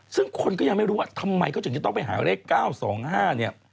ซึ่งคนก็ยังไม่รู้ว่าทำไมเขาถึงจะต้องไปหาเลข๙๒๕เนี่ย